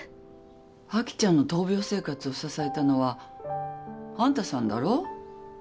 アキちゃんの闘病生活を支えたのはあんたさんだろう？